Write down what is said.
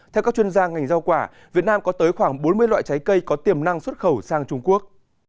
theo các chuyên gia ngành giao quả việt nam có tới khoảng bốn mươi loại trái cây có tiềm năng xuất khẩu sang trung quốc